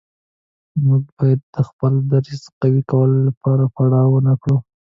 موږ باید د خپل دریځ قوي کولو لپاره پروا ونه کړو.